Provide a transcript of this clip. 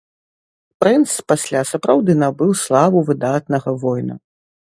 Прынц пасля сапраўды набыў славу выдатнага воіна.